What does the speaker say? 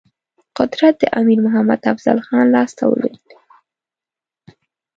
قدرت د امیر محمد افضل خان لاسته ولوېد.